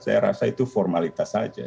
saya rasa itu formalitas saja